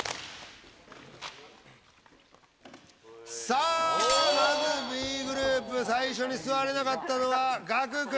さあまずＢグループ最初に座れなかったのはガク君。